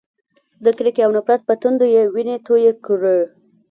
د کرکې او نفرت په تندو یې وینې تویې کړې.